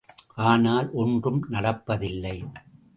ஆனால் ஒன்றும் நடப்பதில்லை.